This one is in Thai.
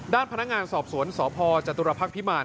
ด้านพนักงานสอบสวนสพจตุรพักษ์พิมาร